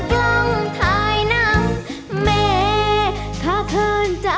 ที่เดินมาหาเข้ามาค้นใจ